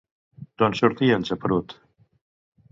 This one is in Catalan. D'on sortia el geperut?